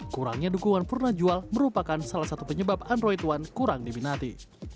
kurangnya dukungan purna jual merupakan salah satu penyebab android one kurang diminati